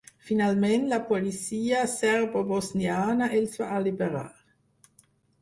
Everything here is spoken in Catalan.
Finalment, la policia serbobosniana els va alliberar.